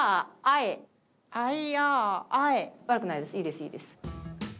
いいです、いいです。